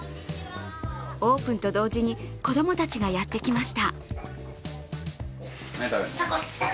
オープンと同時に子供たちがやってきました。